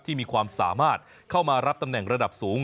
มีความสามารถเข้ามารับตำแหน่งระดับสูง